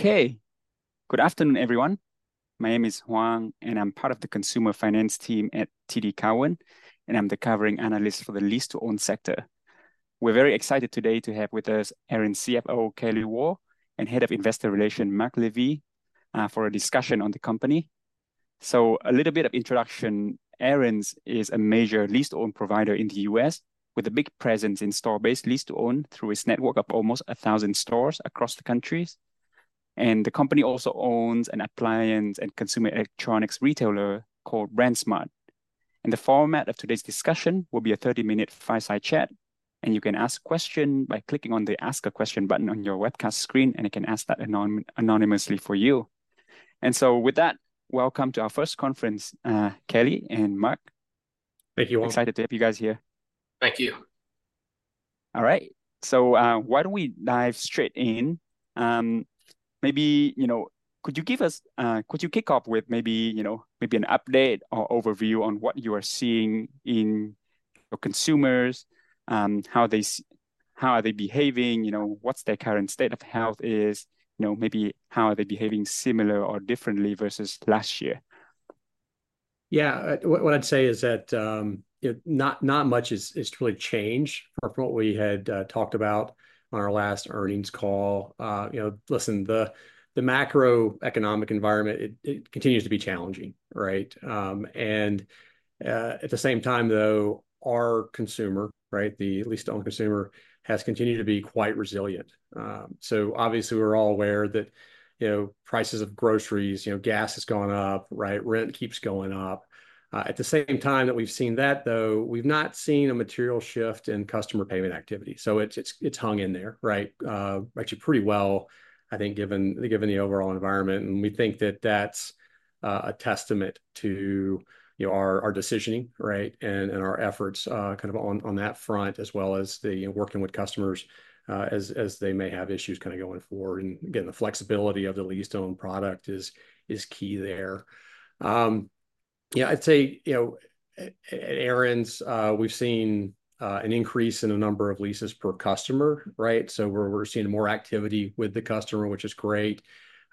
Okay, good afternoon, everyone. My name is Hoang, and I'm part of the Consumer Finance team at TD Cowen, and I'm the covering analyst for the lease-to-own sector. We're very excited today to have with us Aaron's CFO, Kelly Wall, and Head of Investor Relations, Marc Levee, for a discussion on the company. So a little bit of introduction. Aaron's is a major lease-to-own provider in the U.S., with a big presence in store-based lease-to-own through its network of almost 1,000 stores across the country. And the company also owns an appliance and consumer electronics retailer called BrandsMart. And the format of today's discussion will be a 30-minute fireside chat, and you can ask question by clicking on the Ask a Question button on your webcast screen, and it can ask that anonymously for you. So with that, welcome to our first conference, Kelly and Marc. Thank you, Hoang. Excited to have you guys here. Thank you. All right, so, why don't we dive straight in? Maybe, you know, could you give us, could you kick off with maybe, you know, maybe an update or overview on what you are seeing in your consumers? How are they behaving, you know, what's their current state of health? You know, maybe how are they behaving similar or differently versus last year? Yeah, what I'd say is that, you know, not much is really changed from what we had talked about on our last earnings call. You know, listen, the macroeconomic environment continues to be challenging, right? And at the same time, though, our consumer, right, the lease-to-own consumer, has continued to be quite resilient. So obviously, we're all aware that, you know, prices of groceries, you know, gas has gone up, right? Rent keeps going up. At the same time that we've seen that, though, we've not seen a material shift in customer payment activity, so it's hung in there, right, actually pretty well, I think, given the overall environment, and we think that that's a testament to, you know, our decisioning, right, and our efforts, kind of on that front, as well as the working with customers, as they may have issues kind of going forward. And again, the flexibility of the lease-to-own product is key there. I'd say, you know, at Aaron's, we've seen an increase in the number of leases per customer, right? So we're seeing more activity with the customer, which is great.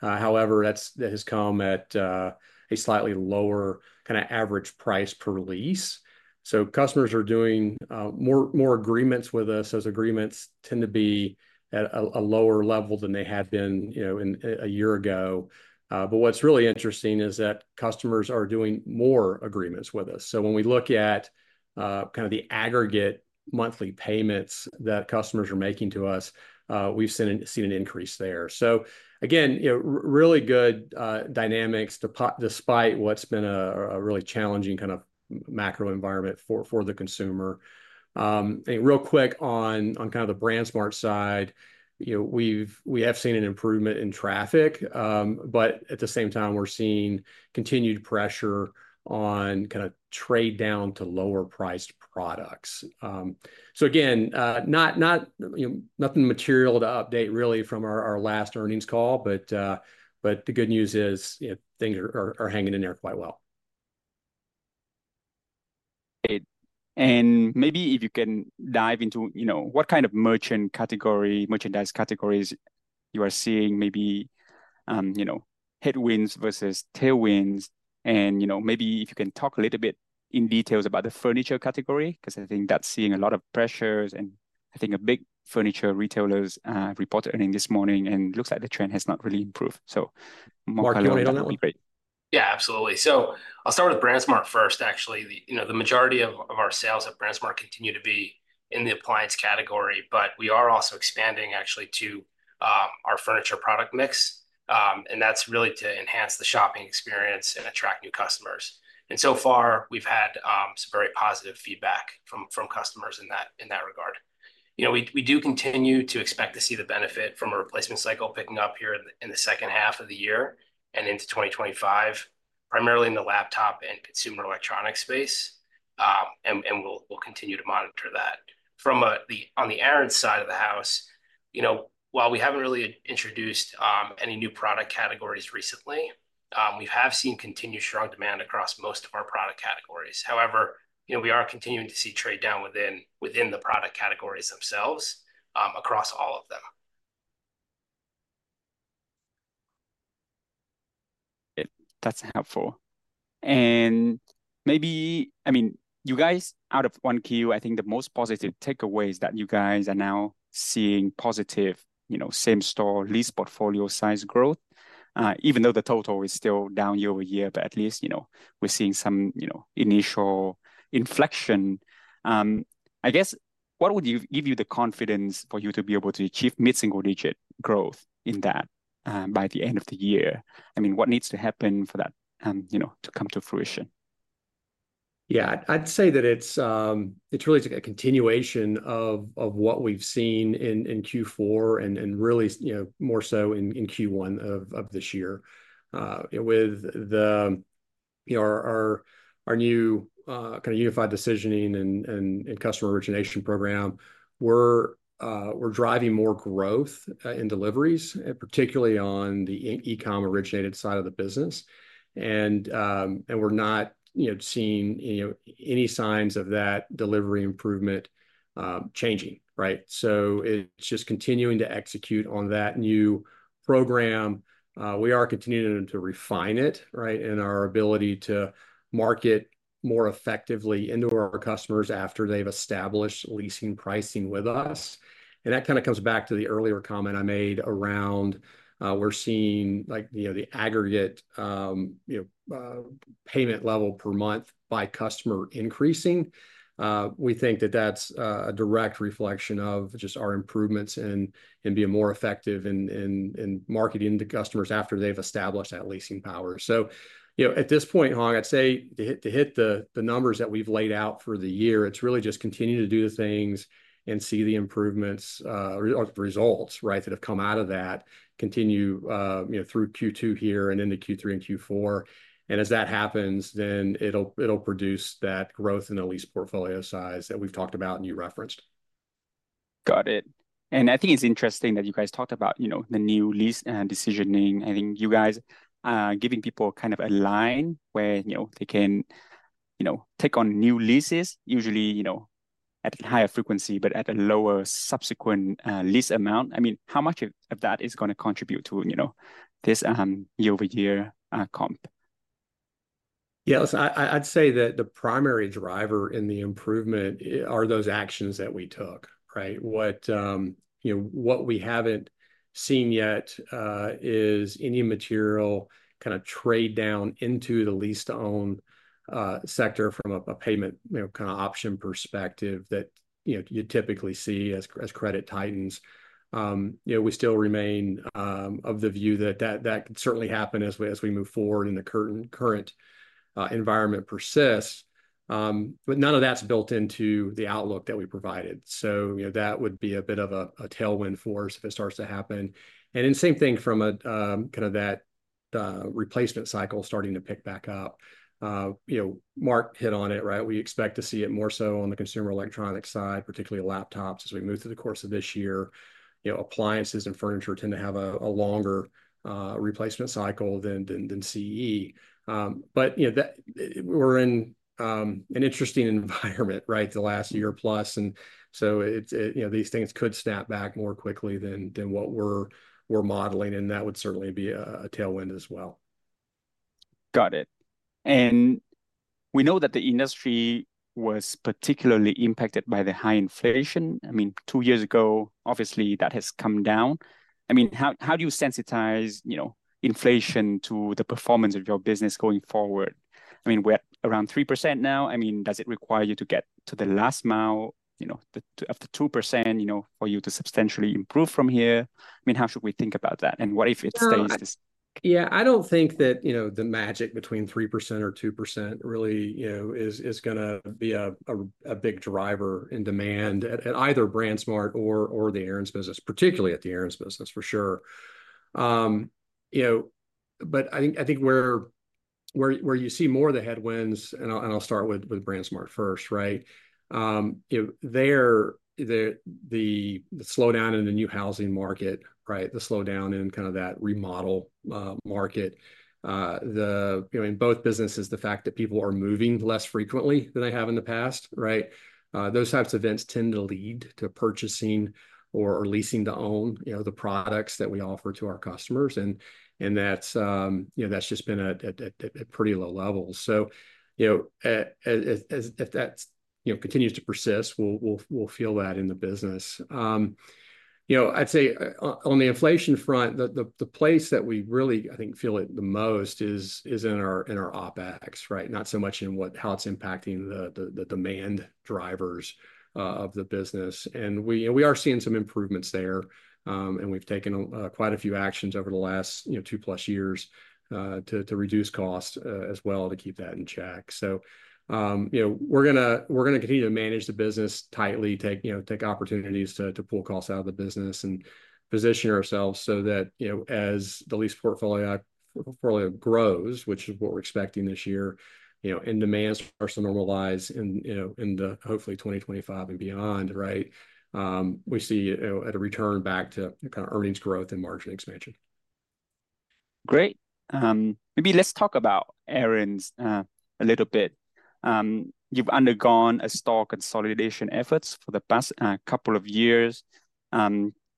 However, that has come at a slightly lower kind of average price per lease. So customers are doing more agreements with us, as agreements tend to be at a lower level than they had been, you know, in a year ago. But what's really interesting is that customers are doing more agreements with us. So when we look at kind of the aggregate monthly payments that customers are making to us, we've seen an increase there. So again, you know, really good dynamics despite what's been a really challenging kind of macro environment for the consumer. And real quick on kind of the BrandsMart side, you know, we've seen an improvement in traffic, but at the same time, we're seeing continued pressure on kind of trade down to lower-priced products. So again, not, you know, nothing material to update really from our last earnings call, but the good news is, you know, things are hanging in there quite well. Great. And maybe if you can dive into, you know, what kind of merchant category, merchandise categories you are seeing, maybe, you know, headwinds versus tailwinds. And, you know, maybe if you can talk a little bit in details about the furniture category, 'cause I think that's seeing a lot of pressures, and I think a big furniture retailers reported earnings this morning, and it looks like the trend has not really improved. So more color on that would be great. Yeah, absolutely. So I'll start with BrandsMart first. Actually, you know, the majority of our sales at BrandsMart continue to be in the appliance category, but we are also expanding actually to our furniture product mix. And that's really to enhance the shopping experience and attract new customers. And so far, we've had some very positive feedback from customers in that regard. You know, we do continue to expect to see the benefit from a replacement cycle picking up here in the second half of the year and into 2025, primarily in the laptop and consumer electronic space. And we'll continue to monitor that. On the Aaron's side of the house, you know, while we haven't really introduced any new product categories recently, we have seen continued strong demand across most of our product categories. However, you know, we are continuing to see trade down within the product categories themselves, across all of them. That's helpful. Maybe... I mean, you guys, out of 1Q, I think the most positive takeaway is that you guys are now seeing positive, you know, same-store lease portfolio size growth, even though the total is still down year-over-year, but at least, you know, we're seeing some, you know, initial inflection. I guess, what would give you the confidence for you to be able to achieve mid-single-digit growth in that, by the end of the year? I mean, what needs to happen for that, you know, to come to fruition? Yeah, I'd say that it's really a continuation of what we've seen in Q4 and really, you know, more so in Q1 of this year. With our new kind of unified decisioning and customer origination program, we're driving more growth in deliveries, and particularly on the e-com originated side of the business. And we're not, you know, seeing, you know, any signs of that delivery improvement changing, right? So it's just continuing to execute on that new program. We are continuing to refine it, right, and our ability to market more effectively into our customers after they've established leasing pricing with us. That kind of comes back to the earlier comment I made around, we're seeing, like, you know, the aggregate, you know, payment level per month by customer increasing. We think that that's a direct reflection of just our improvements and being more effective in marketing to customers after they've established that leasing power. So, you know, at this point, Hoang, I'd say to hit the numbers that we've laid out for the year, it's really just continue to do the things and see the improvements or results, right, that have come out of that continue, you know, through Q2 here and into Q3 and Q4. And as that happens, then it'll produce that growth in the lease portfolio size that we've talked about and you referenced. Got it. And I think it's interesting that you guys talked about, you know, the new lease and decisioning. I think you guys are giving people kind of a line where, you know, they can, you know, take on new leases, usually, you know, at a higher frequency, but at a lower subsequent lease amount. I mean, how much of, of that is gonna contribute to, you know, this, year-over-year comp? Yes, I'd say that the primary driver in the improvement are those actions that we took, right? What you know, what we haven't seen yet is any material kind of trade down into the lease-to-own sector from a payment you know, kind of option perspective that you know, you typically see as credit tightens. You know, we still remain of the view that that could certainly happen as we move forward and the current environment persists. But none of that's built into the outlook that we provided. So, you know, that would be a bit of a tailwind for us if it starts to happen. And then same thing from a kind of that replacement cycle starting to pick back up. You know, Marc hit on it, right? We expect to see it more so on the consumer electronics side, particularly laptops, as we move through the course of this year. You know, appliances and furniture tend to have a longer replacement cycle than CE. But, you know, that we're in an interesting environment, right, the last year plus, and so it, you know, these things could snap back more quickly than what we're modeling, and that would certainly be a tailwind as well. Got it. And we know that the industry was particularly impacted by the high inflation. I mean, two years ago, obviously, that has come down. I mean, how do you sensitize, you know, inflation to the performance of your business going forward? I mean, we're at around 3% now. I mean, does it require you to get to the last mile, you know, up to 2%, you know, for you to substantially improve from here? I mean, how should we think about that, and what if it stays this- Yeah, I don't think that, you know, the magic between 3% or 2% really, you know, is gonna be a big driver in demand at either BrandsMart or the Aaron's business, particularly at the Aaron's business, for sure. You know, but I think where you see more of the headwinds, and I'll start with BrandsMart first, right? You know, the slowdown in the new housing market, right, the slowdown in kind of that remodel market. You know, in both businesses, the fact that people are moving less frequently than they have in the past, right? Those types of events tend to lead to purchasing or leasing to own, you know, the products that we offer to our customers, and that's, you know, that's just been at pretty low levels. So, you know, as if that, you know, continues to persist, we'll feel that in the business. You know, I'd say, on the inflation front, the place that we really, I think, feel it the most is in our OpEx, right? Not so much in how it's impacting the demand drivers of the business. And we are seeing some improvements there, and we've taken quite a few actions over the last, you know, two-plus years, to reduce costs, as well, to keep that in check. So, you know, we're gonna continue to manage the business tightly, take opportunities to pull costs out of the business and position ourselves so that, you know, as the lease portfolio grows, which is what we're expecting this year, you know, and demand starts to normalize in, you know, hopefully 2025 and beyond, right, we see, you know, a return back to kind of earnings growth and margin expansion. Great. Maybe let's talk about Aaron's, a little bit. You've undergone a store consolidation efforts for the past, couple of years.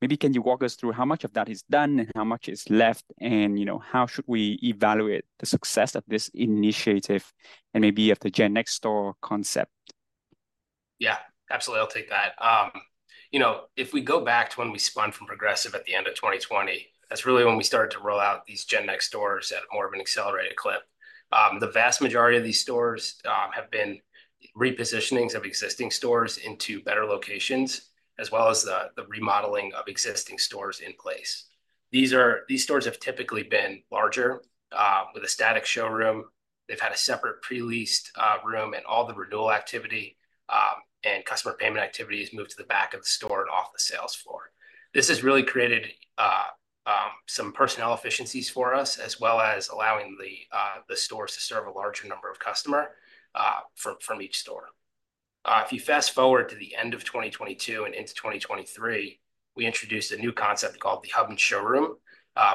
Maybe can you walk us through how much of that is done and how much is left? And, you know, how should we evaluate the success of this initiative and maybe of the GenNext store concept? Yeah, absolutely. I'll take that. You know, if we go back to when we spun from Progressive at the end of 2020, that's really when we started to roll out these GenNext stores at more of an accelerated clip. The vast majority of these stores have been repositionings of existing stores into better locations, as well as the remodeling of existing stores in place. These stores have typically been larger with a static showroom. They've had a separate pre-leased room, and all the renewal activity and customer payment activities moved to the back of the store and off the sales floor. This has really created some personnel efficiencies for us, as well as allowing the stores to serve a larger number of customer from each store. If you fast-forward to the end of 2022 and into 2023, we introduced a new concept called the hub and showroom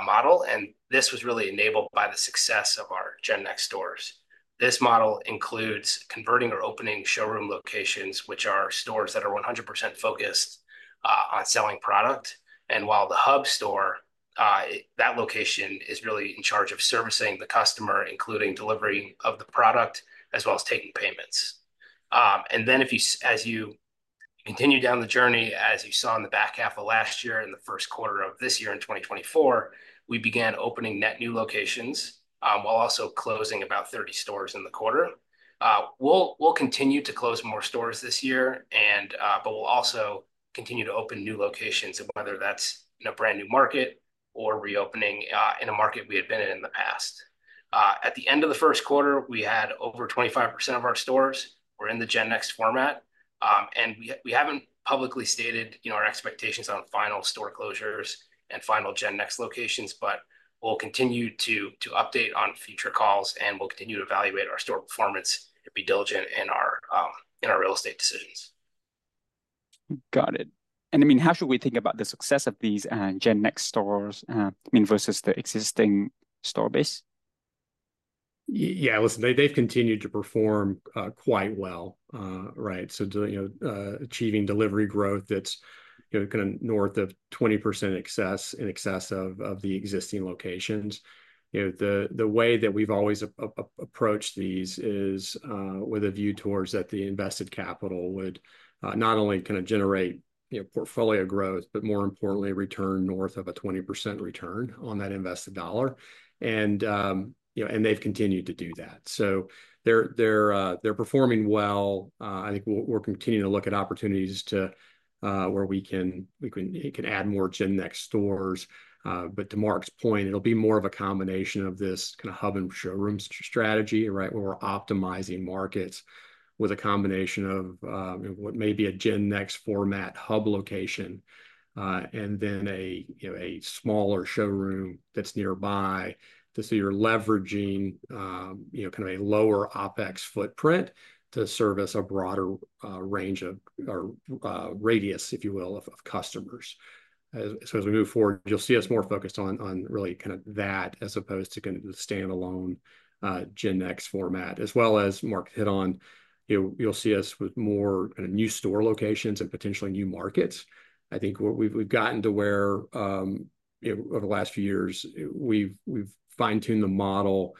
model, and this was really enabled by the success of our GenNext stores. This model includes converting or opening showroom locations, which are stores that are 100% focused on selling product, and while the hub store that location is really in charge of servicing the customer, including delivery of the product, as well as taking payments. And then as you continue down the journey, as you saw in the back half of last year and the first quarter of this year, in 2024, we began opening net new locations, while also closing about 30 stores in the quarter. We'll, we'll continue to close more stores this year, and, but we'll also continue to open new locations, whether that's in a brand-new market or reopening, in a market we had been in in the past. At the end of the first quarter, we had over 25% of our stores were in the GenNext format, and we, we haven't publicly stated, you know, our expectations on final store closures and final GenNext locations, but we'll continue to, to update on future calls, and we'll continue to evaluate our store performance and be diligent in our, in our real estate decisions. Got it. And, I mean, how should we think about the success of these, GenNext stores, I mean, versus the existing store base? Yeah, listen, they, they've continued to perform quite well, right? So, you know, achieving delivery growth, that's, you know, kind of north of 20% excess, in excess of, of the existing locations. You know, the way that we've always approached these is with a view towards that the invested capital would not only kind of generate, you know, portfolio growth, but more importantly, return north of a 20% return on that invested dollar. And, you know, and they've continued to do that. So they're performing well. I think we're continuing to look at opportunities to where we can add more GenNext stores. But to Mark's point, it'll be more of a combination of this kind of hub and showroom strategy, right, where we're optimizing markets with a combination of what may be a GenNext format hub location, and then a, you know, a smaller showroom that's nearby so you're leveraging, you know, kind of a lower OpEx footprint to service a broader range of... or radius, if you will, of customers. So as we move forward, you'll see us more focused on really kind of that, as opposed to kind of the standalone GenNext format, as well as Marc hit on. You'll see us with more new store locations and potentially new markets. I think what we've gotten to where, you know, over the last few years, we've fine-tuned the model.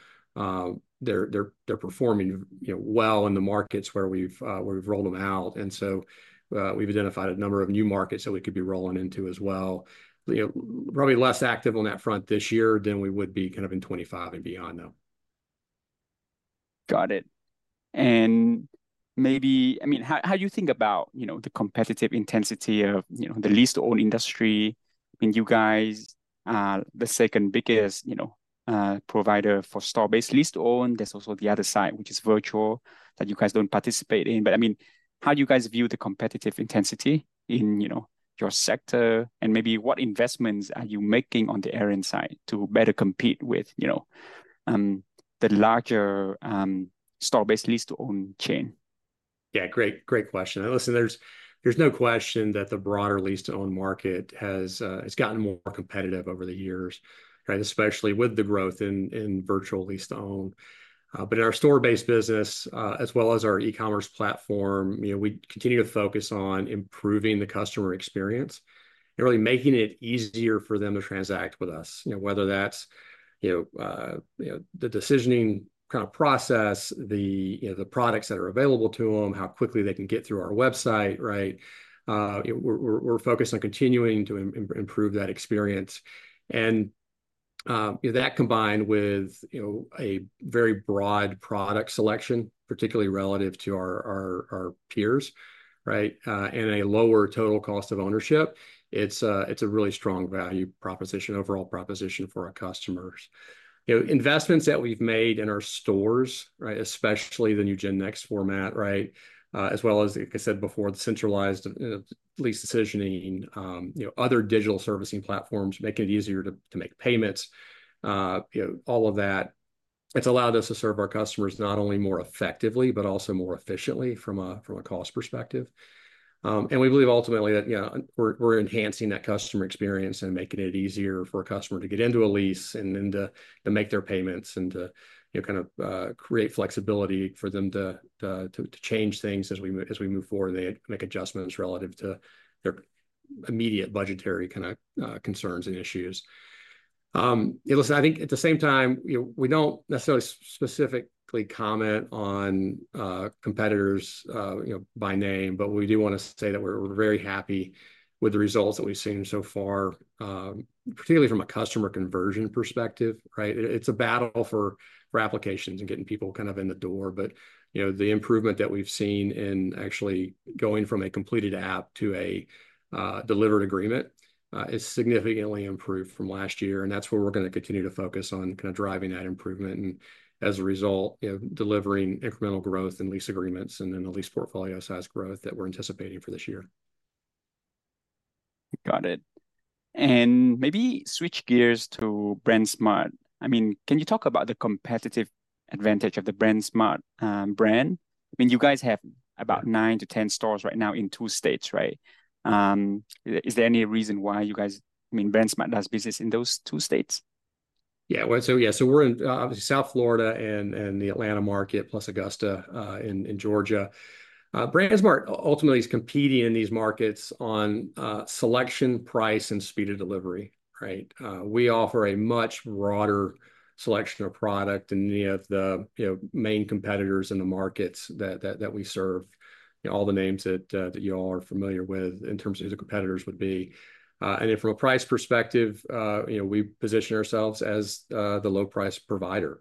They're performing, you know, well in the markets where we've rolled them out, and so we've identified a number of new markets that we could be rolling into as well. You know, probably less active on that front this year than we would be kind of in 2025 and beyond, though. Got it. Maybe... I mean, how do you think about, you know, the competitive intensity of, you know, the lease-to-own industry? I mean, you guys are the second biggest, you know, provider for store-based lease-to-own. There's also the other side, which is virtual, that you guys don't participate in, but I mean, how do you guys view the competitive intensity in, you know, your sector, and maybe what investments are you making on the end side to better compete with, you know, the larger, store-based lease-to-own chain? Yeah, great, great question. And listen, there's no question that the broader lease-to-own market has, it's gotten more competitive over the years, right? Especially with the growth in virtual lease-to-own. But in our store-based business, as well as our e-commerce platform, you know, we continue to focus on improving the customer experience and really making it easier for them to transact with us. You know, whether that's, you know, you know, the decisioning kind of process, the, you know, the products that are available to them, how quickly they can get through our website, right? You know, we're focused on continuing to improve that experience, and that combined with, you know, a very broad product selection, particularly relative to our peers, right? And a lower total cost of ownership. It's a really strong value proposition, overall proposition for our customers. You know, investments that we've made in our stores, right, especially the new GenNext format, right? As well as, like I said before, the centralized lease decisioning, you know, other digital servicing platforms make it easier to make payments. You know, all of that, it's allowed us to serve our customers not only more effectively, but also more efficiently from a cost perspective. And we believe ultimately that, you know, we're enhancing that customer experience and making it easier for a customer to get into a lease, and then to make their payments, and to, you know, kind of, create flexibility for them to change things as we move forward, they make adjustments relative to their immediate budgetary kind of concerns and issues. Listen, I think at the same time, you know, we don't necessarily specifically comment on competitors, you know, by name, but we do want to say that we're very happy with the results that we've seen so far, particularly from a customer conversion perspective, right? It's a battle for applications and getting people kind of in the door. But, you know, the improvement that we've seen in actually going from a completed app to a delivered agreement is significantly improved from last year, and that's where we're gonna continue to focus on kind of driving that improvement, and as a result, you know, delivering incremental growth and lease agreements, and then the lease portfolio size growth that we're anticipating for this year. Got it. Maybe switch gears to BrandsMart. I mean, can you talk about the competitive advantage of the BrandsMart brand? I mean, you guys have about nine to 10 stores right now in two states, right? Is there any reason why you guys, I mean, BrandsMart does business in those two states? Yeah, well, so yeah, so we're in, obviously South Florida and the Atlanta market, plus Augusta, in Georgia. BrandsMart ultimately is competing in these markets on, selection, price, and speed of delivery, right? We offer a much broader selection of product than any of the, you know, main competitors in the markets that we serve. You know, all the names that y'all are familiar with in terms of who the competitors would be. And then from a price perspective, you know, we position ourselves as the low-price provider.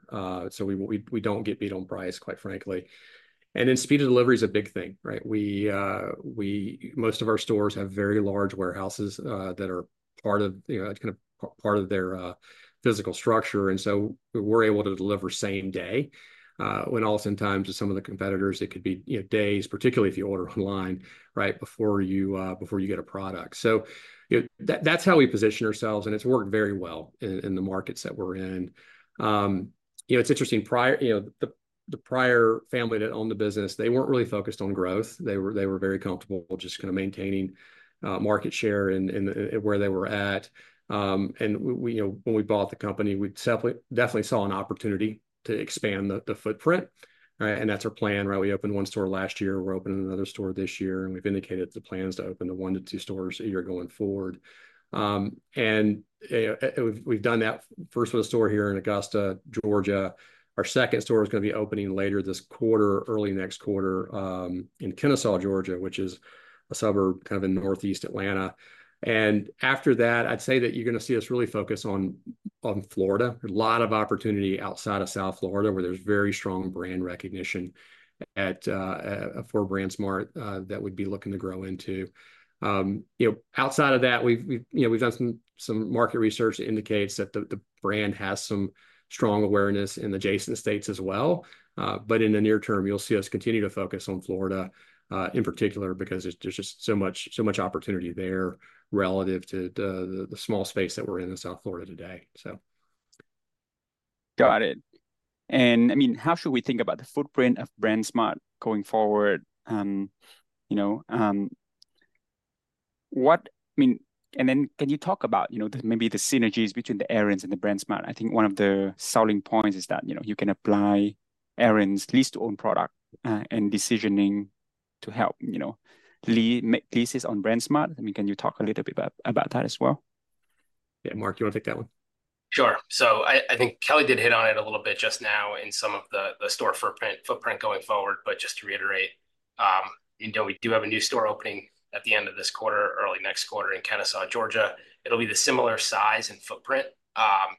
So we don't get beat on price, quite frankly. And then speed of delivery is a big thing, right? We most of our stores have very large warehouses that are part of, you know, kind of part of their physical structure, and so we're able to deliver same day, when oftentimes to some of the competitors it could be, you know, days, particularly if you order online, right, before you before you get a product. So, you know, that, that's how we position ourselves, and it's worked very well in the markets that we're in. You know, it's interesting. The prior family that owned the business, they weren't really focused on growth. They were, they were very comfortable just kind of maintaining market share and where they were at. And we, you know, when we bought the company, we definitely, definitely saw an opportunity to expand the footprint. That's our plan, right? We opened one store last year, we're opening another store this year, and we've indicated the plans to open 1-2 stores a year going forward. We've done that first with a store here in Augusta, Georgia. Our second store is gonna be opening later this quarter, early next quarter, in Kennesaw, Georgia, which is a suburb, kind of in northeast Atlanta. And after that, I'd say that you're gonna see us really focus on Florida. A lot of opportunity outside of South Florida, where there's very strong brand recognition for BrandsMart that we'd be looking to grow into. You know, outside of that, we've done some market research that indicates that the brand has some strong awareness in adjacent states as well. But in the near term, you'll see us continue to focus on Florida, in particular, because there's just so much opportunity there relative to the small space that we're in in South Florida today, so. Got it. And, I mean, how should we think about the footprint of BrandsMart going forward? You know, I mean, and then can you talk about, you know, the, maybe the synergies between the Aaron's and the BrandsMart? I think one of the selling points is that, you know, you can apply Aaron's lease-to-own product, and decisioning to help, you know, make leases on BrandsMart. I mean, can you talk a little bit about that as well? Yeah. Marc, you wanna take that one? Sure. So I think Kelly did hit on it a little bit just now in some of the store footprint going forward, but just to reiterate, you know, we do have a new store opening at the end of this quarter, early next quarter in Kennesaw, Georgia. It'll be the similar size and footprint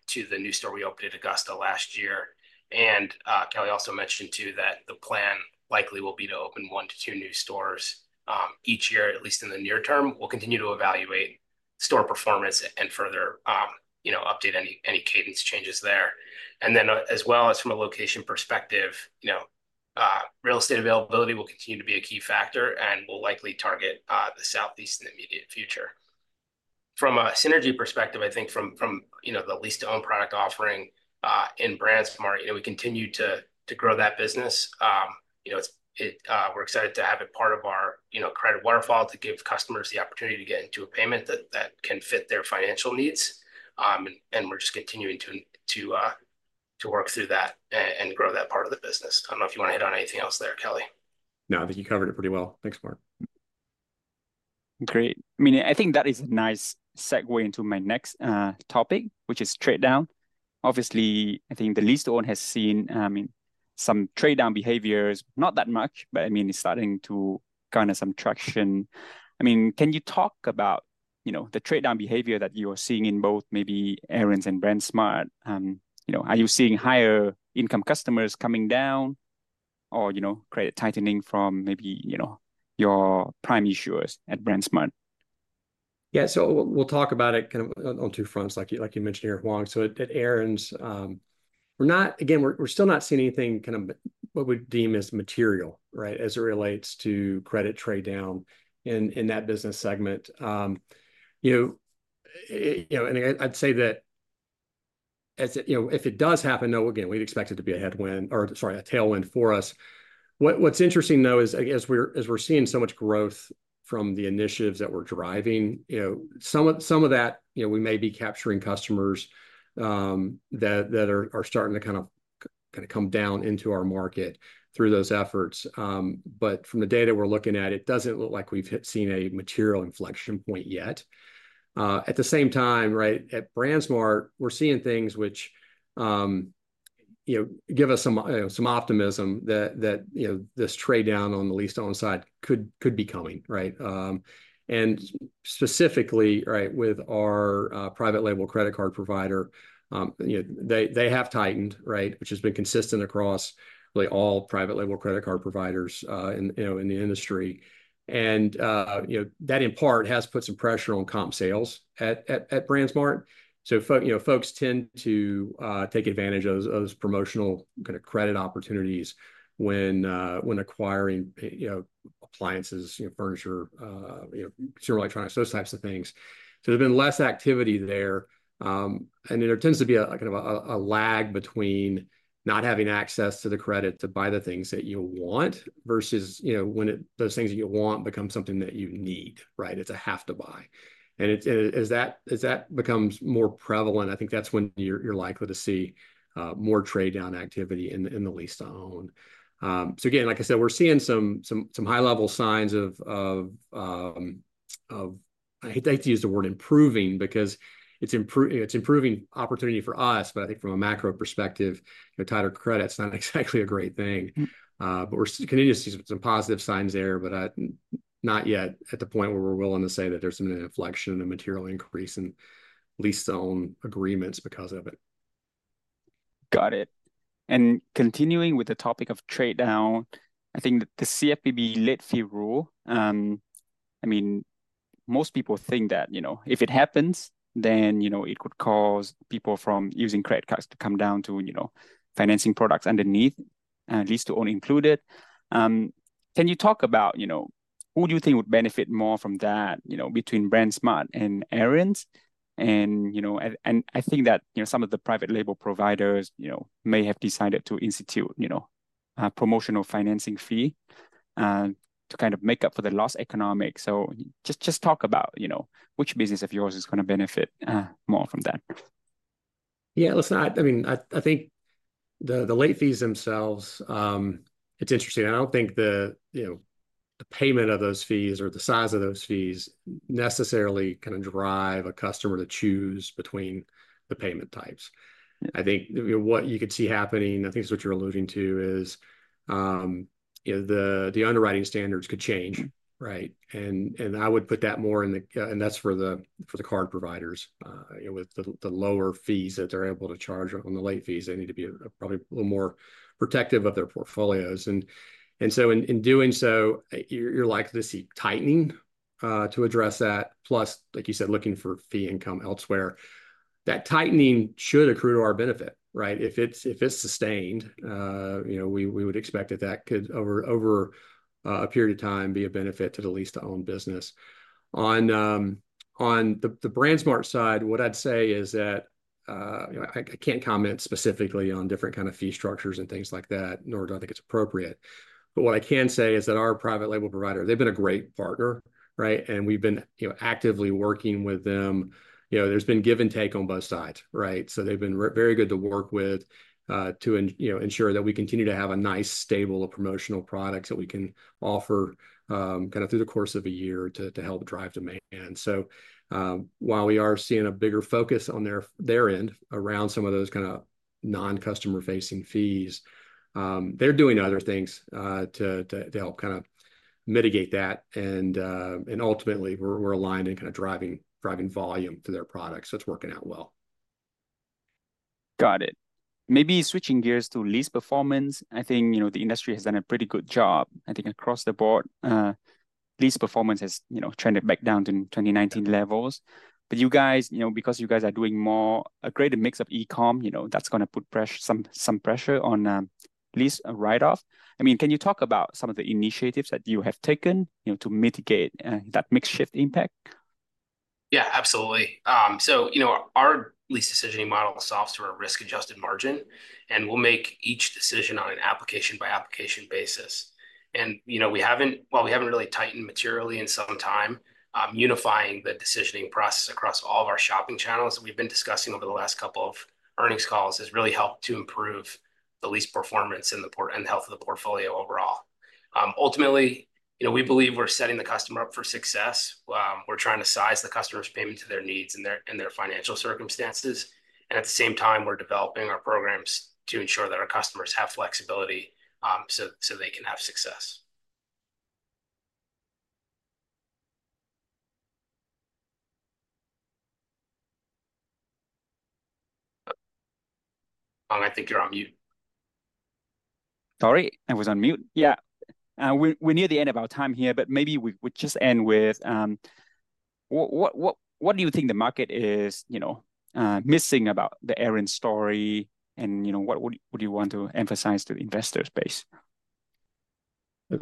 to the new store we opened in Augusta last year. And Kelly also mentioned, too, that the plan likely will be to open one to two new stores each year, at least in the near term. We'll continue to evaluate store performance and further, you know, update any cadence changes there. And then, as well as from a location perspective, you know, real estate availability will continue to be a key factor and will likely target the Southeast in the immediate future. From a synergy perspective, I think from, you know, the lease-to-own product offering in BrandsMart, you know, we continue to grow that business. You know, it's, we're excited to have it part of our, you know, credit waterfall to give customers the opportunity to get into a payment that can fit their financial needs. And we're just continuing to work through that and grow that part of the business. I don't know if you want to hit on anything else there, Kelly. No, I think you covered it pretty well. Thanks, Marc. Great. I mean, I think that is a nice segue into my next topic, which is trade-down. Obviously, I think the lease-to-own has seen some trade-down behaviors. Not that much, but, I mean, it's starting to gain some traction. I mean, can you talk about, you know, the trade-down behavior that you are seeing in both maybe Aaron's and BrandsMart? You know, are you seeing higher-income customers coming down or, you know, credit tightening from maybe, you know, your prime issuers at BrandsMart? Yeah, so we'll talk about it kind of on two fronts, like you mentioned here, Hoang. So at Aaron's, we're not... Again, we're still not seeing anything kind of what we'd deem as material, right, as it relates to credit trade down in that business segment. You know, and I'd say that as it, you know, if it does happen, again, we'd expect it to be a headwind, or sorry, a tailwind for us. What's interesting, though, is, I guess as we're seeing so much growth from the initiatives that we're driving, you know, some of that, you know, we may be capturing customers that are starting to kind of come down into our market through those efforts. But from the data we're looking at, it doesn't look like we've seen a material inflection point yet. At the same time, right, at BrandsMart, we're seeing things which, you know, give us some optimism that, you know, this trade down on the lease-own side could be coming, right? And specifically, right, with our private label credit card provider, you know, they have tightened, right, which has been consistent across really all private label credit card providers in the industry. And you know, that in part has put some pressure on comp sales at BrandsMart. So, folks, you know, folks tend to take advantage of those promotional kind of credit opportunities when acquiring, you know, appliances, you know, furniture, you know, consumer electronics, those types of things. So there's been less activity there, and there tends to be a kind of a lag between not having access to the credit to buy the things that you want, versus, you know, when those things that you want become something that you need, right? It's a have to buy... and as that becomes more prevalent, I think that's when you're likely to see more trade-down activity in the lease-to-own. So again, like I said, we're seeing some high-level signs of... I hate to use the word "improving" because it's improving opportunity for us, but I think from a macro perspective, you know, tighter credit's not exactly a great thing. Mm. But we're continuing to see some positive signs there, but not yet at the point where we're willing to say that there's been an inflection, a material increase in lease-to-own agreements because of it. Got it. And continuing with the topic of trade-down, I think that the CFPB late fee rule, I mean, most people think that, you know, if it happens, then, you know, it could cause people from using credit cards to come down to, you know, financing products underneath, and lease-to-own included. Can you talk about, you know, who do you think would benefit more from that, you know, between BrandsMart and Aaron's? And, you know, I think that, you know, some of the private label providers, you know, may have decided to institute, you know, a promotional financing fee, to kind of make up for the lost economics. So just talk about, you know, which business of yours is gonna benefit, more from that? Yeah, listen, I mean, I think the late fees themselves, it's interesting. I don't think, you know, the payment of those fees or the size of those fees necessarily kind of drive a customer to choose between the payment types. Yeah. I think, you know, what you could see happening, I think it's what you're alluding to, is, you know, the underwriting standards could change, right? And I would put that more in the general, and that's for the card providers. You know, with the lower fees that they're able to charge on the late fees, they need to be probably a little more protective of their portfolios. And so in doing so, you're likely to see tightening to address that. Plus, like you said, looking for fee income elsewhere. That tightening should accrue to our benefit, right? If it's sustained, you know, we would expect that that could over a period of time, be a benefit to the lease-to-own business. On the BrandsMart side, what I'd say is that, you know, I can't comment specifically on different kind of fee structures and things like that, nor do I think it's appropriate. But what I can say is that our private label provider, they've been a great partner, right? And we've been, you know, actively working with them. You know, there's been give and take on both sides, right? So they've been very good to work with, you know, ensure that we continue to have a nice stable of promotional products that we can offer, kind of through the course of a year to help drive demand. So, while we are seeing a bigger focus on their end-run around some of those kind of non-customer-facing fees, they're doing other things to help kind of mitigate that. And ultimately, we're aligned in kind of driving volume for their products, so it's working out well. Got it. Maybe switching gears to lease performance, I think, you know, the industry has done a pretty good job. I think across the board, lease performance has, you know, trended back down to 2019 levels. But you guys, you know, because you guys are doing more, a greater mix of e-com, you know, that's gonna put pressure, some, some pressure on, lease write-off. I mean, can you talk about some of the initiatives that you have taken, you know, to mitigate, that makeshift impact? Yeah, absolutely. So, you know, our lease decisioning model solves for a risk-adjusted margin, and we'll make each decision on an application-by-application basis. You know, we haven't really tightened materially in some time. Unifying the decisioning process across all of our shopping channels, we've been discussing over the last couple of earnings calls, has really helped to improve the lease performance and the portfolio and the health of the portfolio overall. Ultimately, you know, we believe we're setting the customer up for success. We're trying to size the customer's payment to their needs and their, and their financial circumstances, and at the same time, we're developing our programs to ensure that our customers have flexibility, so, so they can have success. I think you're on mute. Sorry, I was on mute. Yeah. We're near the end of our time here, but maybe we would just end with what do you think the market is, you know, missing about the Aaron's story, and, you know, what would you want to emphasize to the investor base?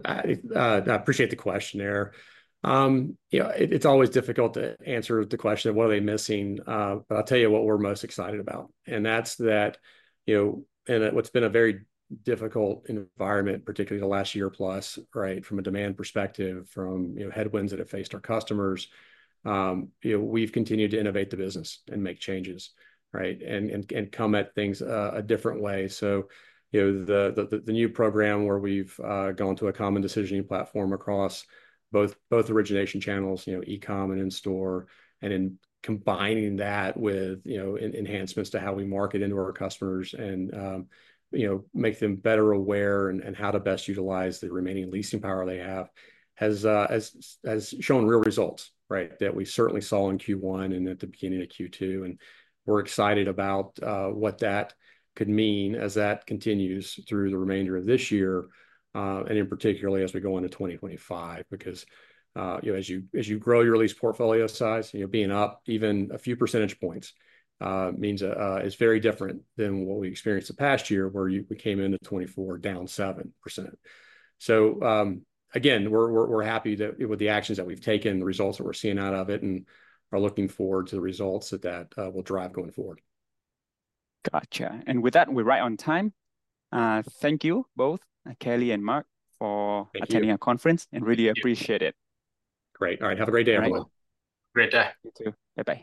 I appreciate the question there. You know, it's always difficult to answer the question, what are they missing? But I'll tell you what we're most excited about, and that's that, you know, in a what's been a very difficult environment, particularly the last year plus, right, from a demand perspective, from, you know, headwinds that have faced our customers, you know, we've continued to innovate the business and make changes, right, and, and, and come at things, a different way. So, you know, the new program where we've gone to a common decisioning platform across both origination channels, you know, e-com and in-store, and combining that with, you know, enhancements to how we market into our customers and, you know, make them better aware and how to best utilize the remaining leasing power they have, has shown real results, right? That we certainly saw in Q1 and at the beginning of Q2, and we're excited about what that could mean as that continues through the remainder of this year, and particularly as we go into 2025. Because, you know, as you grow your lease portfolio size, you know, being up even a few percentage points, means a... It's very different than what we experienced the past year, where we came into 2024, down 7%. So, again, we're happy that with the actions that we've taken, the results that we're seeing out of it, and are looking forward to the results that will drive going forward. Gotcha. And with that, we're right on time. Thank you both, Kelly and Marc, for- Thank you... attending our conference and really appreciate it. Great. All right, have a great day, everyone. Great day. You too. Bye bye.